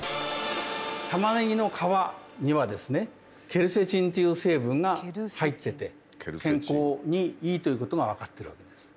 タマネギの皮にはですねケルセチンという成分が入ってて健康にいいということが分かってるわけです。